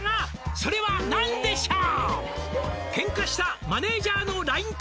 「それは何でしょう？」